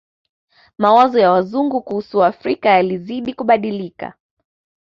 Mawazo ya Wazungu kuhusu Waafrika yalizidi kubadilika